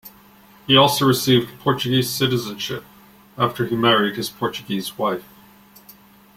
He also received Portuguese citizenship, after he married his Portuguese wife.